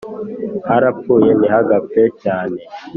harapfuye ntihagapfe cyane